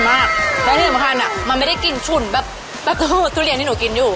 แล้วที่สำคัญมันไม่ได้กลิ่นฉุ่นแบบทุเรียนที่หนูกินอยู่